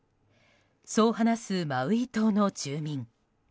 そう話す、マウイ島の住民。